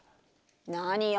何よ！